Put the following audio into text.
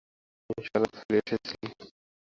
তিনি সারেতে ফিরে এসেছিলেন।